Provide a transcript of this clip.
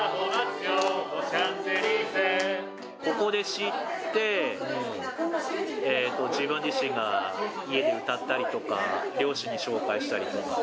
ここで知って、自分自身が家で歌ったりとか、両親に紹介したりとか。